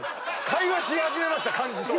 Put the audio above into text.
会話し始めました漢字と。